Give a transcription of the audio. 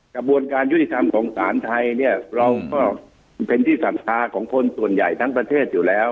กระบวนการยุติธรรมของศาลไทยเนี่ยเราก็เป็นที่ศรัทธาของคนส่วนใหญ่ทั้งประเทศอยู่แล้ว